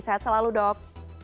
sehat selalu dok